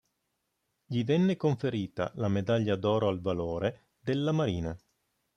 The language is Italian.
Gli venne conferita la medaglia d'oro al valore della Marina.